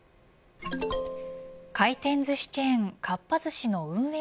回転ずしチェーンかっぱ寿司の運営